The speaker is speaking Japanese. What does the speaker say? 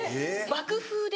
爆風で。